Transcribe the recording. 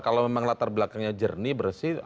kalau memang latar belakangnya jernih bersih